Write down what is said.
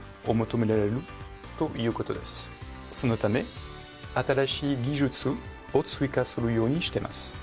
そのため新しい技術を追加するようにしてます。